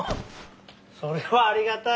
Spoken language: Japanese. それはありがたい。